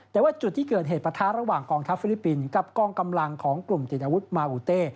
แต่ว่าจุดที่เกิดเหตุประทะระหว่างกองทัพฟิลิปปินส์กับกองกำลังของกลุ่มติดอาวุธมาอูเต้